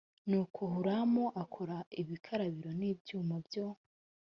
nuko huramu akora ibikarabiro n ibyuma byo